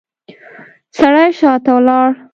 سړی شاته لاړ.